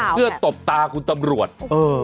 เพื่อตบตาคุณตำรวจ